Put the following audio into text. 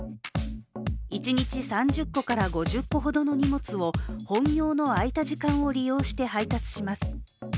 一日３０個から５０個ほどの荷物を本業の空いた時間を利用して配達します。